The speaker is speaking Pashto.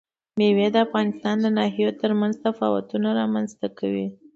مېوې د افغانستان د ناحیو ترمنځ تفاوتونه رامنځ ته کوي.